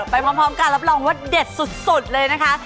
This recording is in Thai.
ไปพร้อมการรับรองว่าเด็ดสุดเลยนะคะ